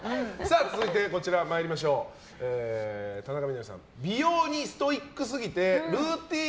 続いて、田中みな実さん美容にストイックすぎてルーティン